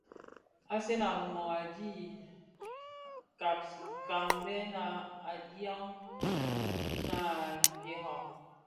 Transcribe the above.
Asen a Rimoh a dhi kaňbèna a dhiaèn bi naa i mpiera.